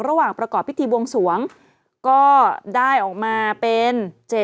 ระหว่างประกอบพิธีบวงสวงก็ได้ออกมาเป็น๗๐